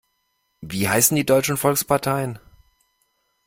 Wie heißen die deutschen Volksparteien?